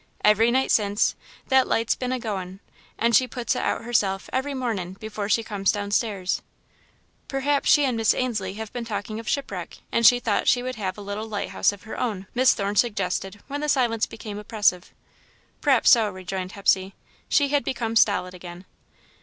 Every night since, that light's been a goin', and she puts it out herself every mornin' before she comes downstairs." "Perhaps she and Miss Ainslie had been talking of shipwreck, and she thought she would have a little lighthouse of her own," Miss Thorne suggested, when the silence became oppressive. "P'raps so," rejoined Hepsey. She had become stolid again.